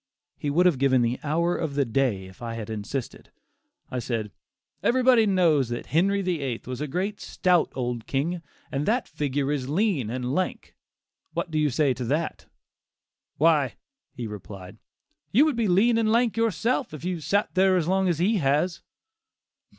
He would have given the hour of the day if I had insisted; I said "everybody knows that 'Henry VIII,' was a great stout old king, and that figure is lean and lank; what do you say to that?" "Why," he replied, "you would be lean and lank yourself, if you sat there as long as he has."